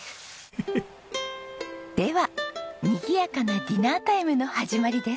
ではにぎやかなディナータイムの始まりです。